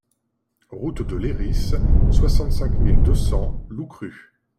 Route de Layrisse, soixante-cinq mille deux cents Loucrup